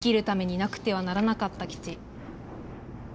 生きるためになくてはならなかった基地。